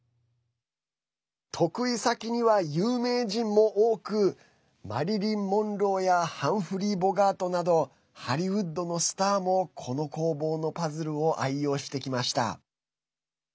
得意先には有名人も多くマリリン・モンローやハンフリー・ボガートなどハリウッドのスターもこの工房のパズルを愛用してきました。